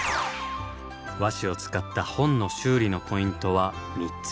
和紙を使った「本の修理」のポイントは３つ。